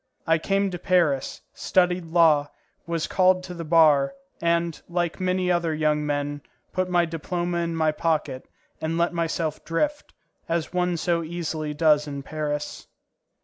I came to Paris, studied law, was called to the bar, and, like many other young men, put my diploma in my pocket, and let myself drift, as one so easily does in Paris.